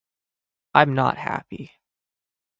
I'm not happy.